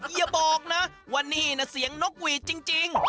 อย่าบอกนะว่านี่นะเสียงนกหวีดจริง